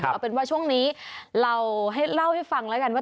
เอาเป็นว่าช่วงนี้เราให้เล่าให้ฟังแล้วกันว่า